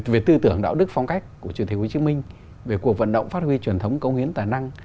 về tư tưởng đạo đức phong cách của chủ tịch hồ chí minh về cuộc vận động phát huy truyền thống công hiến tài năng